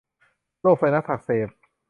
โรคไซนัสอักเสบ